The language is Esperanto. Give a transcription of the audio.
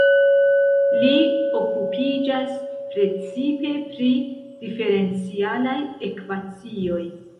Li okupiĝas precipe pri diferencialaj ekvacioj.